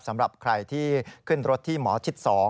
สำหรับใครที่ขึ้นรถที่หมอชิด๒